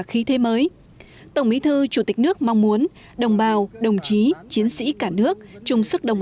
khí thế mới tổng bí thư chủ tịch nước mong muốn đồng bào đồng chí chiến sĩ cả nước chung sức đồng